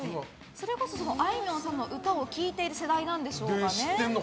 それこそ、あいみょんさんの歌を聴いている世代なんでしょうか。